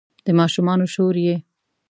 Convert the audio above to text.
د ماشومانو شور یې